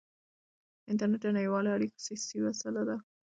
انټرنېټ د نړیوالو اړیکو اساسي وسیله ده.